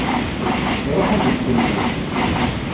Iruḥ ad ikkes lxiq.